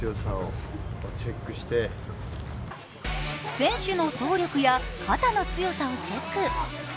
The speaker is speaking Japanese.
選手の走力や肩の強さをチェック。